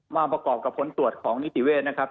มาประกอบกับผลตรวจของนิติเวศนะครับ